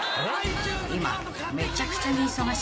［今めちゃくちゃに忙しい